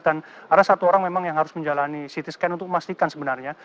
dan ada satu orang memang yang harus menjalani ct scan untuk memastikan sebenarnya